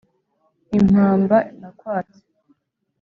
impamba nakwatse”